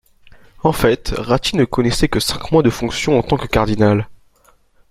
En fait, Ratti ne connaissait que cinq mois de fonction en tant que cardinal.